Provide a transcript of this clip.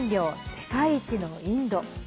世界一のインド。